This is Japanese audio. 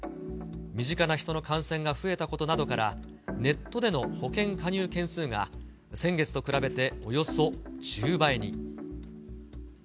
身近な人の感染が増えたことなどから、ネットでの保険加入件数が先月と比べておよそ１０倍に。